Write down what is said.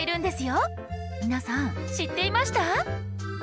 皆さん知っていました？